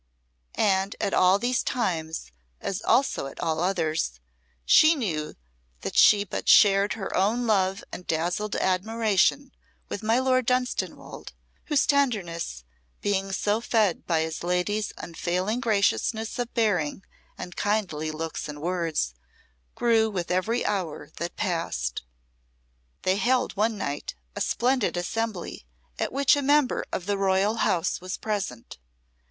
And at all these times, as also at all others, she knew that she but shared her own love and dazzled admiration with my Lord Dunstanwolde, whose tenderness, being so fed by his lady's unfailing graciousness of bearing and kindly looks and words, grew with every hour that passed. They held one night a splendid assembly at which a member of the Royal House was present.